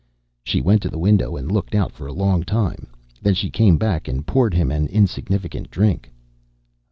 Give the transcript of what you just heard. She went to the window and looked out for a long time. Then she came back and poured him an insignificant drink.